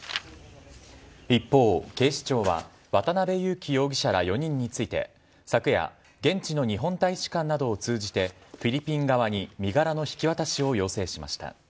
一方、警視庁は、渡辺優樹容疑者ら４人について、昨夜、現地の日本大使館などを通じて、フィリピン側に身柄の引き渡しを要請しました。